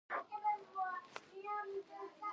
نجلۍ کږه شوه ماته نشته د کونډې لور ده مور غوړي ورکړې دينه